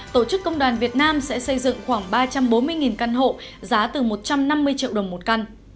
tổ chức công đoàn việt nam sẽ xây dựng khoảng ba trăm bốn mươi căn hộ giá từ một trăm năm mươi triệu đồng một căn